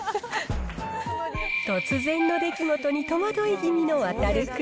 突然の出来事に戸惑い気味の渉君。